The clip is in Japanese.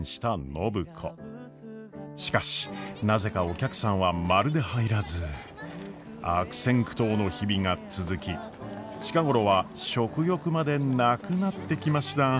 しかしなぜかお客さんはまるで入らず悪戦苦闘の日々が続き近頃は食欲までなくなってきました。